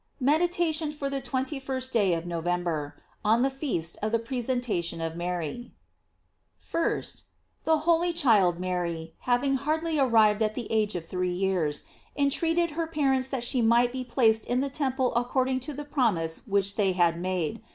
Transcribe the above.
MEDITATION FOR THE TWENTY FIRST DAY OF NOVEMBER. On the Feast of the Presentation of Mary. 1st. THE holy child Mary, having hardly arrived at the age of three years, entreated her parents that she might be placed in the temple according to the promise which they had made.